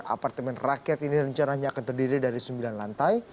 apartemen rakyat ini rencananya akan terdiri dari sembilan lantai